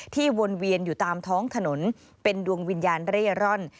วนเวียนอยู่ตามท้องถนนเป็นดวงวิญญาณเร่ร่อน